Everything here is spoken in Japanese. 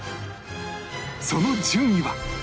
その順位は